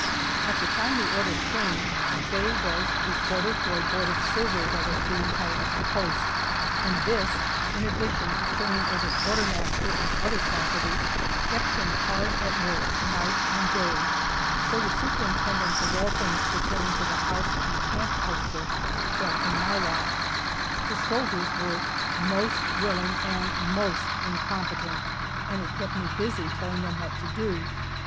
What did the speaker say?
At the time the order came, Faye was recorder for a board of survey that was being held at the post, and this, in addition to turning over quartermaster and other property, kept him hard at work night and day, so the superintendence of all things pertaining to the house and camp outfit fell to my lot. The soldiers were most willing and most incompetent, and it kept me busy telling them what to do.